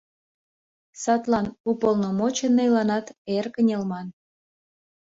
Садлан уполномоченныйланат эр кынелман.